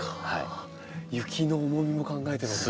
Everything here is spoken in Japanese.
雪の重みも考えてるわけですね。